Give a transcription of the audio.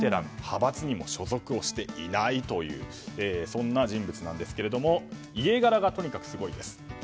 派閥にも所属をしていないという人物なんですが家柄がとにかくすごいです。